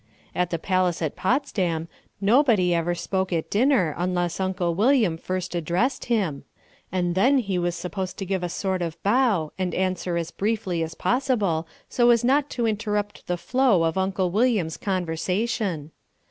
At the palace at Potsdam nobody ever spoke at dinner unless Uncle William first addressed him, and then he was supposed to give a sort of bow and answer as briefly as possible so as not to interrupt the flow of Uncle William's conversation.